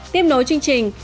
tiếp nối chương trình